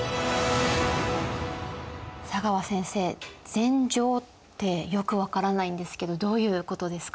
佐川先生禅譲ってよく分からないんですけどどういうことですか？